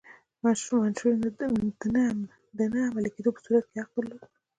منشور د نه عملي کېدو په صورت کې حق درلود.